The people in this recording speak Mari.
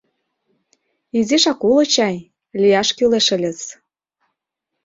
— Изишак уло чай, лияш кӱлеш ыльыс...